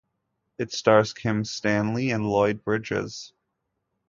It stars Kim Stanley and Lloyd Bridges.